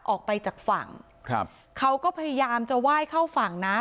ออกไปจากฝั่งครับเขาก็พยายามจะไหว้เข้าฝั่งนะ